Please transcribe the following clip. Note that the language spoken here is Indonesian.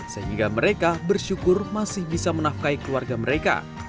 sehingga mereka bersyukur masih bisa menafkai keluarga mereka